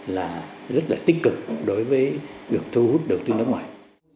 là rất là tích cực đối với việc thu hút đầu tư nước ngoài